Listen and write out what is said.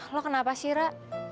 lo kenapa sih ra